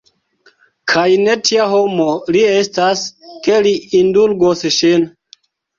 Kaj ne tia homo li estas, ke li indulgos ŝin!